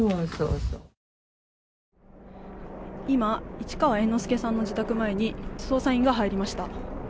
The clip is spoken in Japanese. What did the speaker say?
市川猿之助さんの自宅前に捜査員が入りました。